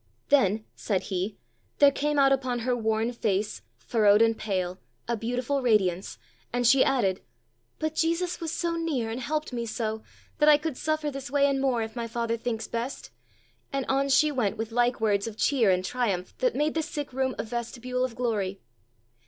"Then," said he, "there came out upon her worn face, furrowed and pale, a beautiful radiance, and she added, "but Jesus was so near and helped me so, that I could suffer this way and more, if my Father thinks best"; and on she went with like words of cheer and triumph that made the sick room a vestibule of glory.